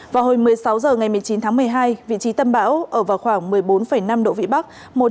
vào hồi một mươi sáu h ngày một mươi chín tháng một mươi hai vị trí tâm bão ở vào khoảng một mươi bốn năm độ vĩ bắc